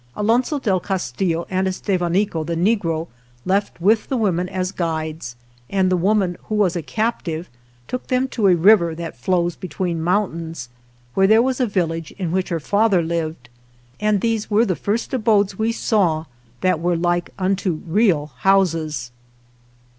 Alonso del Cas tillo and Estevanico, the negro, left with the women as guides, and the woman who was a captive took them to a river that flows 149 THE JOURNEY OF between mountains, 47 where there was a vil lage, in which her father lived, and these were the first abodes we saw that were like unto real houses.